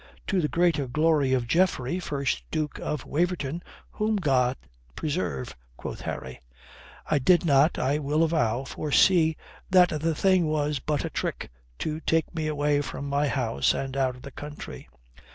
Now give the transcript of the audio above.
"To the greater glory of Geoffrey, first Duke of Waverton, whom God preserve," quoth Harry. "I did not, I will avow, foresee that the thing was but a trick to take me away from my house and out of the country.